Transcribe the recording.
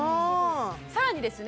さらにですね